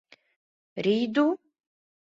Рийду?